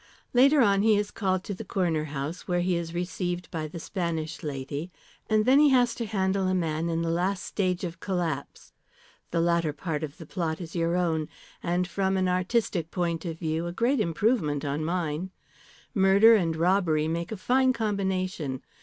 "Later on he is called to the Corner House, where he is received by the Spanish lady, and then he has to handle a man in the last stage of collapse. The latter part of the plot is your own, and from an artistic point of view, a great improvement on mine. Murder and robbery make a fine combination.